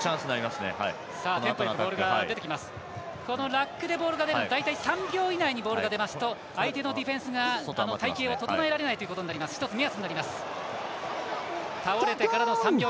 ラックでボールが出ますと大体３秒以内にボールが出ますと相手のディフェンスが隊形を整えられないということで１つ、目安になります。